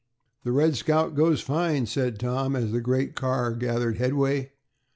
"The 'Red Scout' goes fine," said Tom, as the great car gathered headway.